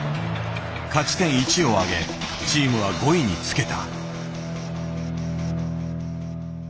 勝ち点１をあげチームは５位につけた。